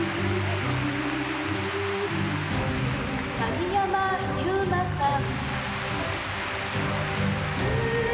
「鍵山優真さん」。